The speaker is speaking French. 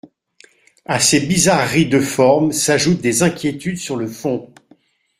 À ces bizarreries de forme s’ajoutent des inquiétudes sur le fond.